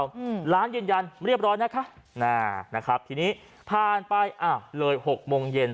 อืมร้านยืนยันเรียบร้อยนะคะอ่านะครับทีนี้ผ่านไปอ้าวเลยหกโมงเย็น